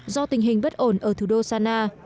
do tình hình bất ổn ở thủ đô sana